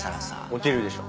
落ちるでしょ。